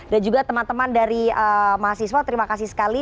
dan juga teman teman dari mahasiswa terima kasih sekali